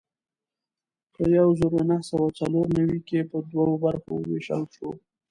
په یو زر نهه سوه څلور نوي کې په دوو برخو وېشل شو.